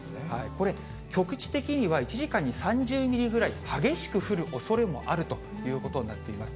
これ、局地的には１時間に３０ミリぐらい、激しく降るおそれもあるということになっています。